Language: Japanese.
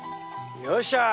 よっしゃ！